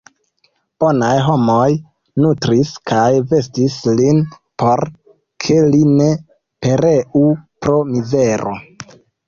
Bonaj homoj nutris kaj vestis lin, por ke li ne pereu pro mizero.